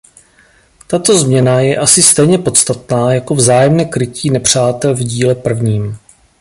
Tato změna je asi stejně podstatná jako vzájemné krytí nepřátel v díle prvním.